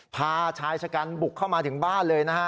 พาชายชะกันบุกเข้ามาถึงบ้านเลยนะฮะ